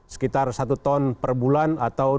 sekitar satu ton per bulan atau